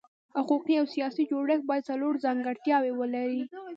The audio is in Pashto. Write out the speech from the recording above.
حقوقي او سیاسي جوړښت باید څلور ځانګړتیاوې ولري.